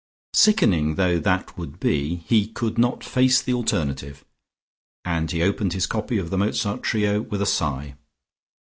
Sickening though that would be, he could not face the alternative, and he opened his copy of the Mozart trio with a sigh.